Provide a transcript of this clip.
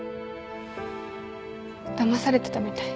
だまされてたみたい。